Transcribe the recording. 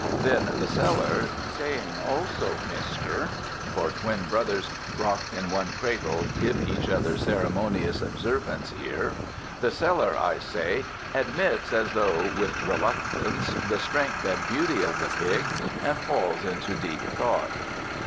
Then the seller, saying also "Mr." (for twin brothers rocked in one cradle give each other ceremonious observance here), the seller, I say, admits, as though with reluctance, the strength and beauty of the pig, and falls into deep thought.